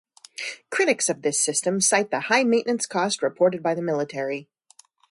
Critics of this system cite the high maintenance cost reported by the military.